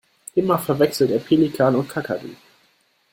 Immer verwechselt er Pelikan und Kakadu.